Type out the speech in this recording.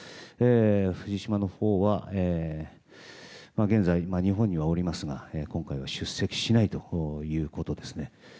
藤島のほうは現在、日本にはおりますが今回は出席しないということです。